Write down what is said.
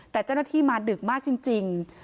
แต่เจ้าหน้าที่มาดึกมากจริง